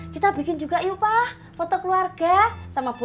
kita bikin juga yuk pah foto keluarga